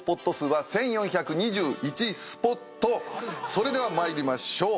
それでは参りましょう。